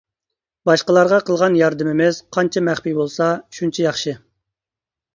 باشقىلارغا قىلغان ياردىمىمىز قانچە مەخپىي بولسا شۇنچە ياخشى.